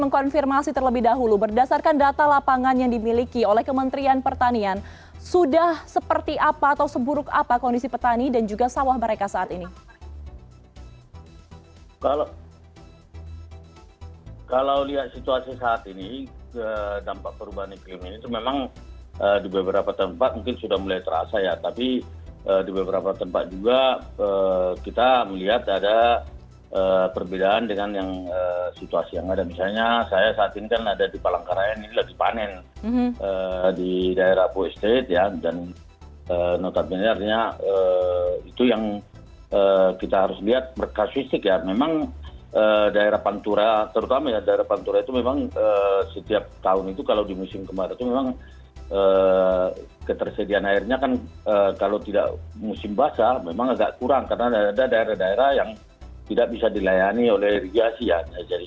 kalau tidak musim basah memang agak kurang karena ada daerah daerah yang tidak bisa dilayani oleh rigasi